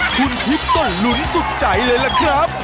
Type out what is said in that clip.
คุณทิพย์ต้องลุ้นสุดใจเลยล่ะครับ